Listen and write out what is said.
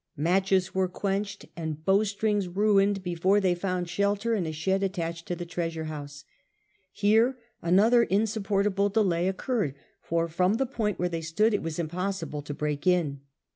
Matches were quenched and bowstrings ruined before they found shelter in a shed attached to the treasure house. Here another insupportable delay occurred, for from the spot where they stood it was impossible to break in.